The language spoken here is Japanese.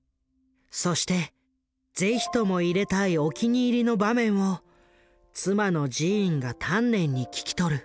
そして是非とも入れたいお気に入りの場面を妻のジーンが丹念に聞き取る。